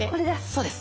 そうです。